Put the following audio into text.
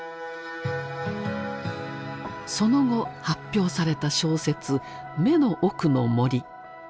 その後発表された小説「眼の奥の森」。